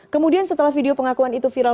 kemudian setelah video pengakuan itu viral